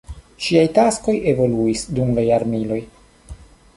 Ŝiaj taskoj evoluis dum la jarmiloj.